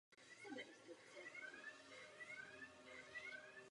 S hokejem začínal v rodném městě Calgary.